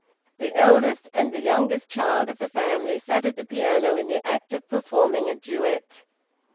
The eldest and the youngest child of the family sat at the piano in the act of performing a duet.